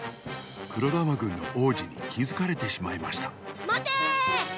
黒玉軍の王子にきづかれてしまいましたまてーー！